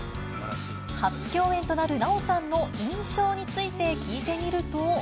初共演となる奈緒さんの印象について聞いてみると。